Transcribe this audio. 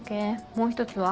もう１つは？